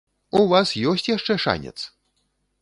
У вас ёсць яшчэ шанец!